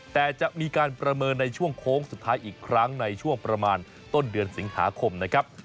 แต่จะมีการประเมินในช่วงโค้งสุดท้ายอีกครั้งในช่วงประมาณต้นเดือนสิงหาคมนะครับ